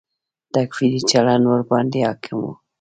تکفیري چلند ورباندې حاکم و.